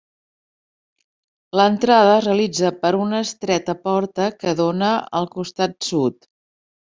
L'entrada es realitza per una estreta porta que dóna al costat sud.